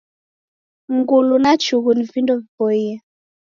Mngulu na chughu ni vindo viboie.